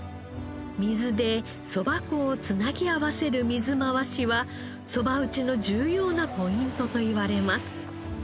水でそば粉を繋ぎ合わせる水回しはそば打ちの重要なポイントといわれます。